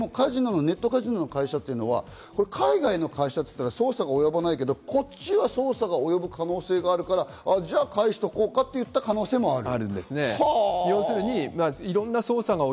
でもカジノの会社は海外の会社といったら、捜査が及ばないけれども、こっちは捜査が及ぶ可能性があるから、じゃあ返しておこうかといった可能性もある。